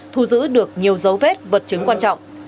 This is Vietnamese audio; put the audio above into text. thu giữ được nhiều dấu vết vật chứng quan trọng